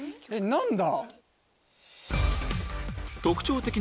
何だ？